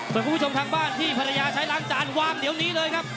ส่วนคุณผู้ชมทางบ้านที่ภรรยาใช้ล้างจานวางเดี๋ยวนี้เลยครับ